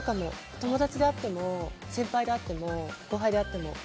友達であっても先輩であっても後輩であっても。